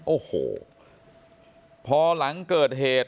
โอ้โหพอหลังเกิดเหตุ